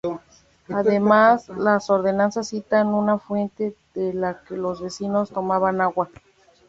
Además, las ordenanzas citan una fuente de la que los vecinos tomaban agua.